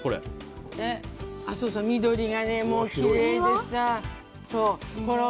緑がね、きれいでさ。